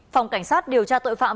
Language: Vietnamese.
phòng cảnh sát điều tra tội phạm